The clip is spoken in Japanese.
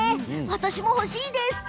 私も欲しいです。